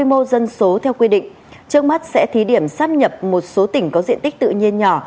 bộ nội vụ cho biết sẽ thí điểm sắp nhập một số tỉnh có diện tích tự nhiên nhỏ